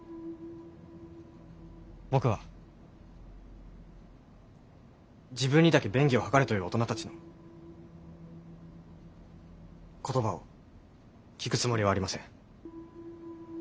僕は自分にだけ便宜を図れという大人たちの言葉を聞くつもりはありません。